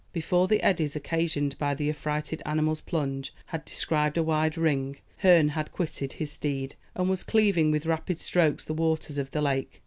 Before the eddies occasioned by the affrighted animal's plunge had described a wide ring, Herne had quitted his steed, and was cleaving with rapid strokes the waters of the lake.